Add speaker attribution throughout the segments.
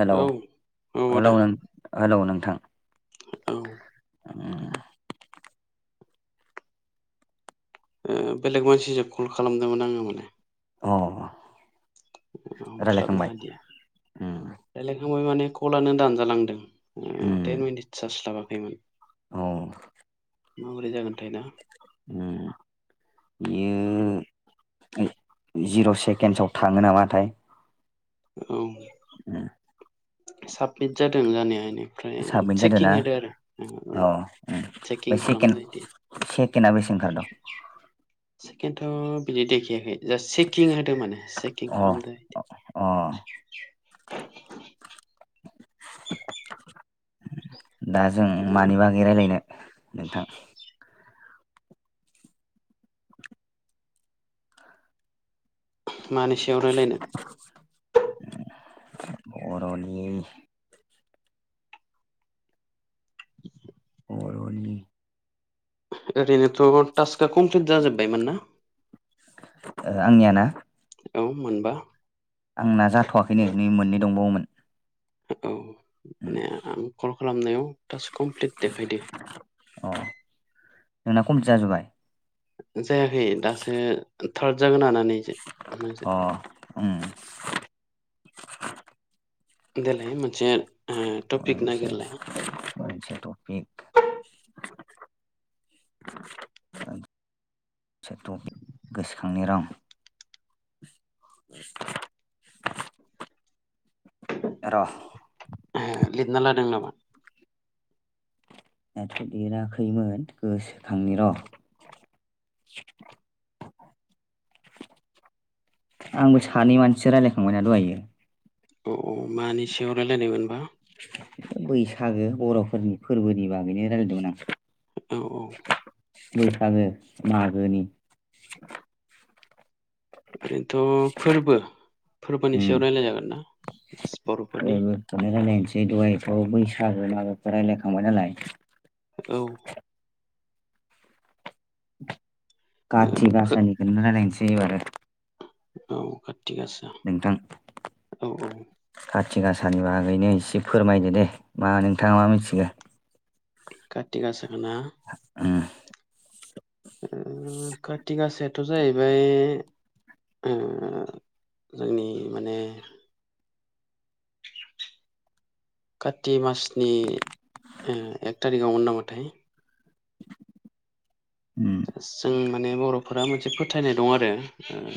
Speaker 1: हेल'
Speaker 2: औ औ आदा
Speaker 1: हेलौ नों हेलौ नोंथां।
Speaker 2: औ ओ
Speaker 1: उम।
Speaker 2: बेलेग मानसिजों कल खालामदोंमोन आङो माने।
Speaker 1: अ।
Speaker 2: हमस्लाबनो
Speaker 1: रायलायखांबाय
Speaker 2: हादिया
Speaker 1: उम
Speaker 2: रायलायखांबाय माने कलानो दानजालांदों। उम टेन मिनित चार्ज लााबाखैमोन।
Speaker 1: अ।
Speaker 2: माब्रै जागोनथाय ना?
Speaker 1: उम। बियो जिर' सेकेन्डसआव थाङो नामाथाय।
Speaker 2: औ।
Speaker 1: उम।
Speaker 2: साबमिट जादों जानाया बेनिफ्राय
Speaker 1: साबमिट जादों
Speaker 2: चेकिं
Speaker 1: ना
Speaker 2: होदो आरो।
Speaker 1: अ।
Speaker 2: चेकिं खालामदों एदि।
Speaker 1: दा बेसे अंखारदों?
Speaker 2: सेकेणडथ' बिदि देखाययाखै जा चेकिं होदों माने चेकिं
Speaker 1: अ
Speaker 2: खालामदों एदि।
Speaker 1: अ। दा जों मानि बागै रायज्लायनो नोंथां?
Speaker 2: मानि सायाव रायज्लायनो?
Speaker 1: बर'नि बर'नि
Speaker 2: ओरैनोथ' टास्कआ कमप्लिट जाजोब्बायमोन ना?
Speaker 1: ओ आंनिया ना?
Speaker 2: औ मोनबा।
Speaker 1: आंना जाथ'वाखैनो नै मोननै दंबावोमोन।
Speaker 2: औ
Speaker 1: उम
Speaker 2: माने आं कल खालामनायाव थाक्स कमप्लिट देखायदो।
Speaker 1: अ नोंना कमप्लिट जाजोबबाय?
Speaker 2: जायाखै दासो थार्द जागोन आंना नैएजों दासो।
Speaker 1: अ उम।
Speaker 2: देलाय मोनसे ओ टपिक
Speaker 1: मोनसे
Speaker 2: नागिरलाय
Speaker 1: मोनसे थफिक। थफिक गोसोखांनि आं रं। [inaudible] र'।
Speaker 2: उम लिरना लादों नामा?
Speaker 1: लिराखैमोन गोसोखांनि र'। आंबो सानै मानसि रायलायखांबायना दहायो।
Speaker 2: अ औ मानि सिङाव रायलायनायमोनबा?
Speaker 1: बैसागो बर'फोरनि फोरबोनि बागैनो रायलायदोंमोन आं।
Speaker 2: औ औ।
Speaker 1: बैसागो मागोनि।
Speaker 2: ओरैनोथ' फोरबो फोरबोनि
Speaker 1: उम
Speaker 2: सायाव राय्लाय जागोन ना बर'फोरनि।
Speaker 1: [unintelligible] रायलायनोसै दहायथ' बैसागो मागोखो रायलायखांबाय नालाय
Speaker 2: औ
Speaker 1: काथि
Speaker 2: फो
Speaker 1: गासानिखोनो रायलायनोसै एबारो
Speaker 2: औ काथि गास
Speaker 1: नोंथां खाथि गासानि बागैनो एसे फोरमायदो दे मा नोंथाङा मा मिथिगो
Speaker 2: काति गासाखोना
Speaker 1: ओं
Speaker 2: [unintelligible] काति गासायाथ' जाहैबाय ओ जोंनि माने काति मासनि ओ एक तारिकआवमोन नामाथाय
Speaker 1: उम
Speaker 2: जों माने बर'फोरा मोनसे फोथायनाय दं आरो।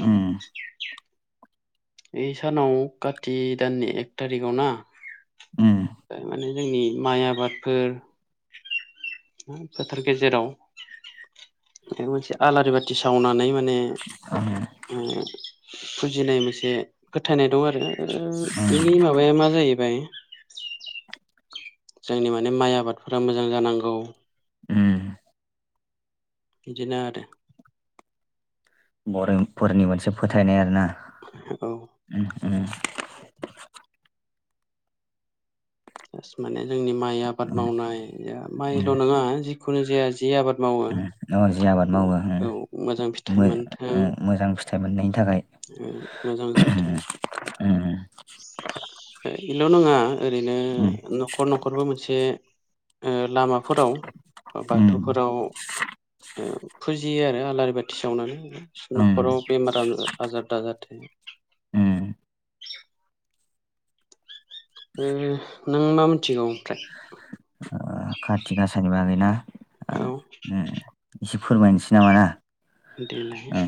Speaker 1: उम
Speaker 2: ओइ सानाव काटि दाननि एक तारिकआव ना
Speaker 1: उम
Speaker 2: [unintelligible] माने जोंनि माइ आबादफोर [unintelligible] फोथार गेजेराव [unintelligible] मोनसे आलारि बाथि सावनानै माने
Speaker 1: [unintelligible]
Speaker 2: [unintelligible] फुजिनाय मोनसे ए फोथायनाय दं आरो
Speaker 1: उम
Speaker 2: इनि माबाया मा जाहैबाय जोंनि माने माइ आबादफोरा मोजां जानांगौ
Speaker 1: उम
Speaker 2: बिदिनो आरो
Speaker 1: बरोनफोरनि मोनसे फोथायनाय आरोना
Speaker 2: औ
Speaker 1: [unintelligible]
Speaker 2: जास्ट माने जोंनि माइ आबाद
Speaker 1: उम
Speaker 2: मावनाय ओ माइल' नङा जिखुनु जाया जि आबाद मावो
Speaker 1: [unintelligible] आबाद मावो
Speaker 2: औ
Speaker 1: [unintelligible]
Speaker 2: मोजां फिथाइ
Speaker 1: मोजां फिथाइ मोननायनि थाखाय
Speaker 2: उम मोजां जाथो
Speaker 1: [unintelligible]
Speaker 2: इल' नङा ओरैनो
Speaker 1: उम
Speaker 2: न' खर न'खरबो मोनसे ओ लामाफोराव
Speaker 1: उम
Speaker 2: बाथौफोराव ओ फुजियो आरो आलारि बाथि सावनानै
Speaker 1: उम
Speaker 2: न'खराव बेमार आजार - आजार दाजाथो
Speaker 1: उम
Speaker 2: ओह नों मा मिथिगौ ओमफ्राय
Speaker 1: ओ खाथि गासानि बागैना आं
Speaker 2: औ
Speaker 1: उम एसे फोरमायनोसै नामा ना
Speaker 2: देनाय
Speaker 1: उम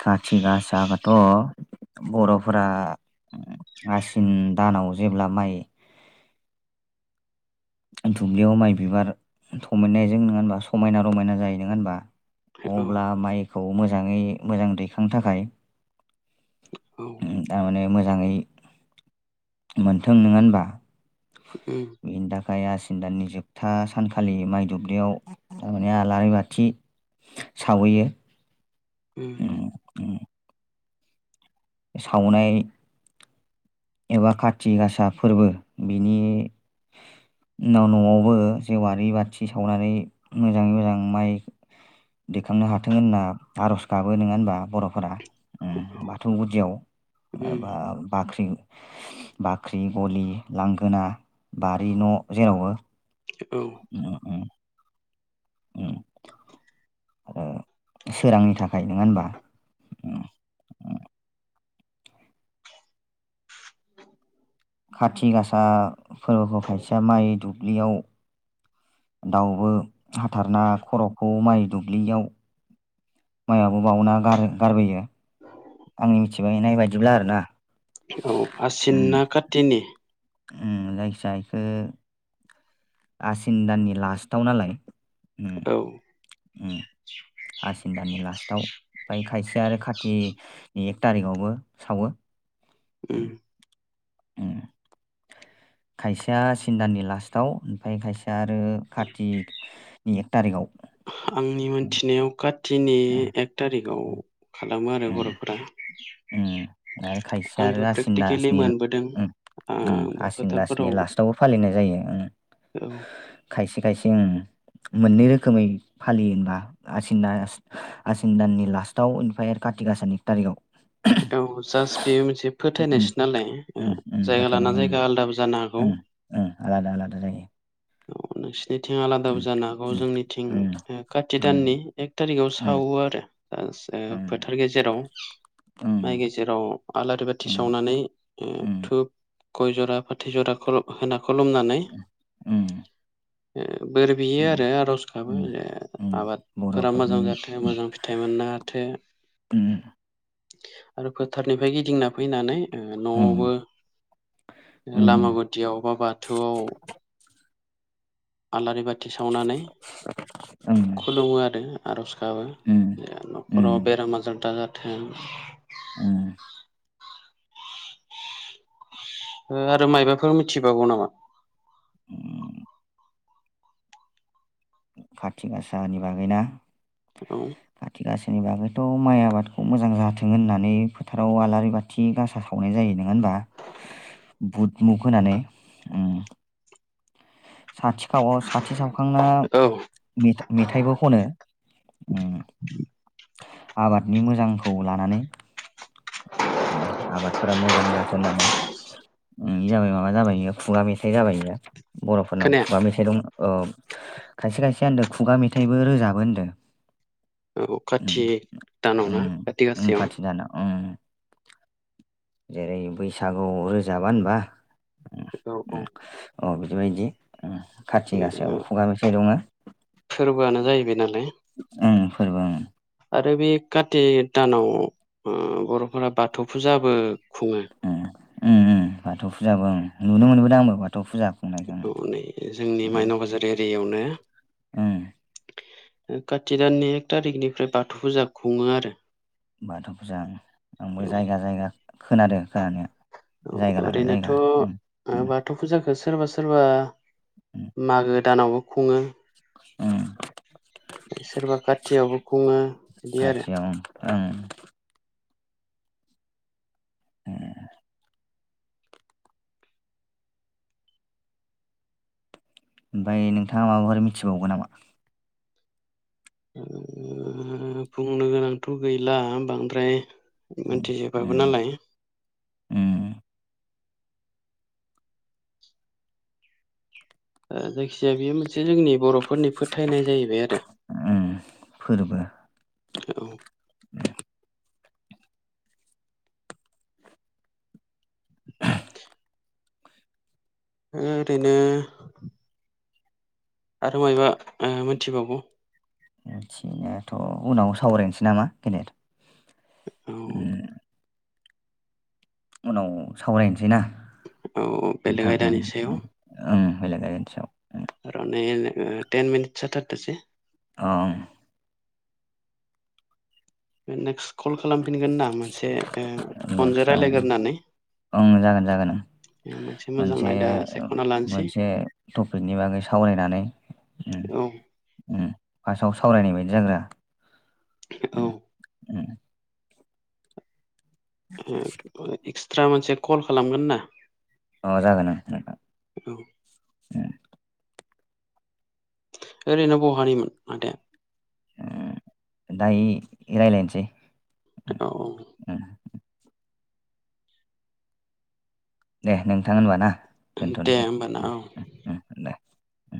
Speaker 1: खाथि गासाखोथ' बर'फोरा आसिन दानाव जेब्ला माइ दुब्लियाव माइ बिबार थमायनायजों नोङा होनबा समायना रमायना जायो नोङा होनबा
Speaker 2: औ
Speaker 1: अब्ला माइखौ मोजाङै मोजां दैखां थाखाय
Speaker 2: औ
Speaker 1: दामाने मोजाङै मोनथों नोङा होनबा
Speaker 2: उम
Speaker 1: [unintelligible] खाय आसिन दाननि जोबथा सानखालि माइ दुब्लियाव तामाने आलारि बाथि सावहैयो
Speaker 2: उम
Speaker 1: उम उम सावनाय एबा काति गासा फोरबो बिनि उनाव न'आवबो जेवआरि बाथि सावनानै मोजाङै मोजां माइ दैखांनो हाथों होनना आर'ज गाबो नङा होनबा बर'फोरा। ओम
Speaker 2: औ
Speaker 1: बाथौ गुदियाव
Speaker 2: उम
Speaker 1: ओबा-बाख्रि बाख्रि, गलि, लांगोना, बारि, न' जेरावबो
Speaker 2: औ।
Speaker 1: ओ ओ। ओ सोरांनि थाखाय नङा होनबा?
Speaker 2: [inaudible]
Speaker 1: खाथि गासा फोरबोआव खायसेया माइ दुब्लियाव दाउबो हाथारना खर'खौ माइ दुब्लियाव माइआवबो बाउना गार-गारबोयो।
Speaker 2: [inaudible]
Speaker 1: आंनि मिथिबायनाय बायदिब्ला आरोना, ओम।
Speaker 2: तिनि
Speaker 1: ओम जायखिजाया इखौ आसिन दाननि लास्टाव नालाय ओम।
Speaker 2: औ। [inaudible]
Speaker 1: आसिन दाननि लास्टाव ओमफ्राय खायसे आरो खाथिनि एक थारिखआवबो सावो।
Speaker 2: ओम।
Speaker 1: ओम। खायसेया आसिन दाननि लास्टआव, ओमफ्राय खायसेया आरो कातिनि एक थारिखआव।
Speaker 2: आंनि मोनथिनायाव खाथिनि
Speaker 1: उम
Speaker 2: एक थारिखआव। खालामो आरो बर'फोरा।
Speaker 1: ओ आरो खायसेया
Speaker 2: आंबो
Speaker 1: आरो आसिन
Speaker 2: प्रेक्टिकेलि
Speaker 1: आसिननि
Speaker 2: मोनबोदों
Speaker 1: ओ ओम
Speaker 2: आंबो
Speaker 1: आसिन दासनि
Speaker 2: फोथारफोराव
Speaker 1: लास्टावबो फालिनाय जायो, ओम।
Speaker 2: औ
Speaker 1: खायसे खायसे ओम मोननै रोखोमै फालियो होनबा आसिना आ आसिन दाननि लास्टाव ओनफ्राय आरो खाथि गासानि एक थारिगाव
Speaker 2: बेथ' औ जास्ट बेयो मोनसे
Speaker 1: उम
Speaker 2: फोथायनायसो नालाय ओ
Speaker 1: उम उम
Speaker 2: जायगा लाना जायगा आलादाबो जानो हागौ।
Speaker 1: ओ आलादा आलादा जायो।
Speaker 2: ओम नोंसिनिथिं आलादाबो
Speaker 1: उम
Speaker 2: जानो हागौ जोंनि मिथिं
Speaker 1: उम
Speaker 2: ओ खाति
Speaker 1: उम
Speaker 2: दाननि एक थारिखाव
Speaker 1: उम
Speaker 2: सावो आरो। ओ [unintelligible]
Speaker 1: उम
Speaker 2: फोथार गेजेराव माइ
Speaker 1: उम
Speaker 2: गेजेराव आलारि बाथि
Speaker 1: उम
Speaker 2: सावनानै ओ
Speaker 1: उम
Speaker 2: धुप गय जरा, फाथै जराखौ होना खुलुमनानै
Speaker 1: ओम।
Speaker 2: ओ बोर बियो आरो आर'ज गाबो
Speaker 1: उम
Speaker 2: ओ
Speaker 1: उम
Speaker 2: आबाद फोरा मोजां
Speaker 1: बर'फोरनि
Speaker 2: जाथों, मोजां फिथाइ मोननो हाथों
Speaker 1: ओम।
Speaker 2: आरो फोथारनिफ्राय गिदिंना फैनानै ओ न'आवबो,
Speaker 1: उम उम
Speaker 2: लामा गुदियाव बा बाथौआव आलारि बाथि सावनानै
Speaker 1: ओम
Speaker 2: खुलुमो आरो आरज गाबो
Speaker 1: ओम
Speaker 2: जे न'खराव
Speaker 1: ओम
Speaker 2: बेराम आजार दाजाथों
Speaker 1: ओ।
Speaker 2: ओ आरो मायबाफोर मिथिबावो नामा?
Speaker 1: ओम खाति गासानि बागै ना?
Speaker 2: ओं।
Speaker 1: खाथि गासानि बागैथ' माइ आबादखौ मोजां जाथों होननानै फोथाराव आलारि बा ओ गासा सावनाय जायो नोङा होनबा? बुद मुग होनानै। ओ साथिखाव साथि सावखांना
Speaker 2: औ
Speaker 1: मे-मेथाइबो खनो ओम
Speaker 2: [inaudible]
Speaker 1: आबादनि मोजांखौ लानानै आबादफोरा मोजां जाथों होननानै। उम जाबाय माबा जाबाय इयो खुगा मेथाइ जाबाय इयो बर'फोरनाव
Speaker 2: खोनाया
Speaker 1: खुगा मेथाइ दं औ खायसे खायसेया होनदों खुगा मेथाइबो रोजाबो होनदों।
Speaker 2: औ
Speaker 1: उम।
Speaker 2: खाथिग दानाव ना
Speaker 1: उम
Speaker 2: खाथि
Speaker 1: उम
Speaker 2: गासायाव।
Speaker 1: खाथि दानाव उम। जेरै बैसागु रोजाबा होनबा। उम
Speaker 2: औ औ
Speaker 1: उम अ बिदिबायदि उम खाथि गासायाव खुगा मेथाइ दङ।
Speaker 2: फोरबोआनो जाहैबाय नालाय।
Speaker 1: उम फोरबो उम।
Speaker 2: आरो बे कातिक दानाव उम बर'फोरा बाथौ फुजाबो खुङो।
Speaker 1: उम उम उम बाथौ फुजाबो उम नुनो मोनबोदों आंबो बाथौ फुजा। खुंनायखौ
Speaker 2: अ नै जोंनि मायनाव बाजार एरियायावनो
Speaker 1: ओम।
Speaker 2: खाथि दाननि एक थारिकनिफ्राय बाथौ फुजा खुङो आरो
Speaker 1: बाथौ फुजा उम आंबो
Speaker 2: औ
Speaker 1: जायगा जायगा खोनादों खोनानाया‌।
Speaker 2: औ ओरैनोथ ओ
Speaker 1: उम
Speaker 2: बा थौ फुजाखौ सोरबा सोरबा
Speaker 1: उम
Speaker 2: मागो दानावबो खुङो।
Speaker 1: उम।
Speaker 2: सोरबा खाथियावबो खुङो बिदि आरो
Speaker 1: ओं उम ओमफाय नोंथाङा माबाफोर मिथिबावगौ नामा?
Speaker 2: ओ बुंनो गोनांथ' गैला बांद्राय।
Speaker 1: उम
Speaker 2: मिनथिजोबाबो
Speaker 1: उम
Speaker 2: नालाय।
Speaker 1: उम
Speaker 2: ओ जायखिजाया बेयो मोनसे जोंनि बर'फोरनि फोथायनाय जाहैबाय आरो‌
Speaker 1: उम फोरबो‌।
Speaker 2: औ ओरैनो आरो मायबा ओ मोनथिबावगौ?
Speaker 1: मिथिनायाथ' उनाव सावरायनोसै नामा गेदेर
Speaker 2: औ
Speaker 1: उनाव सावरायनोसै ना
Speaker 2: औ बेलेग
Speaker 1: नोंथां उम
Speaker 2: आयदानि सायाव
Speaker 1: उम ओं बेलेक आयदानि सायाव।
Speaker 2: रं नै टेन मिनिट जाथारथोंसै।
Speaker 1: अ ओं
Speaker 2: नेक्स्ट कल खालामफिनगोन ना मोनसे ओ
Speaker 1: नेक्स्ट
Speaker 2: फनजों
Speaker 1: ओं
Speaker 2: राय्लायगोरनानै।
Speaker 1: ओं जागोन जागोन ओं।
Speaker 2: मोजां
Speaker 1: मोनसे
Speaker 2: आयदा सायख'ना लानोसै
Speaker 1: मोनसे टपिकनि बागै सावरायनानै।
Speaker 2: औ।
Speaker 1: ओम फार्स्टआव सावरायनाय बायदि जाग्रोआ।
Speaker 2: औ।
Speaker 1: उम
Speaker 2: एक्सट्रा मोनसे कल खालामगोन ना।
Speaker 1: अ जागोन नो-नोंथां।
Speaker 2: औ। ओरैनो बहानिमोन आदा‌या?
Speaker 1: उम दायो राय्लायनोसै।
Speaker 2: औ
Speaker 1: दे नोंथां होनबा ना।
Speaker 2: दे
Speaker 1: दोनथ'नोसै
Speaker 2: होमबा ना
Speaker 1: उम
Speaker 2: औ।
Speaker 1: उम दे उम